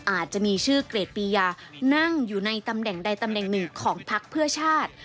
อาจจะมีชื่อเกรดปียานั่งอยู่ในตำแหน่งใดตำแหน่งหนึ่งของพักเพื่อชาติ